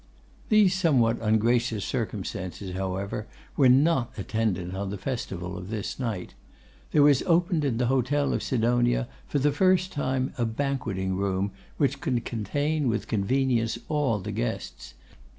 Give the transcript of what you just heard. These somewhat ungracious circumstances, however, were not attendant on the festival of this night. There was opened in the Hotel of Sidonia for the first time a banqueting room which could contain with convenience all the guests.